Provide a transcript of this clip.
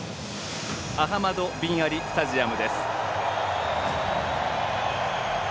アハマド・ビン・アリスタジアムです。